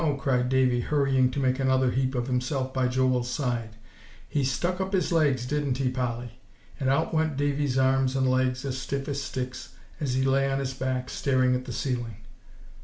cried Davie, hurrying to make another heap of himself by Joel's side; "he stuck up his legs, didn't he, Polly?" and out went David's arms and legs as stiff as sticks, as he lay on his back staring at the ceiling.